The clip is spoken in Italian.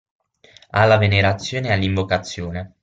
Alla venerazione e all'invocazione.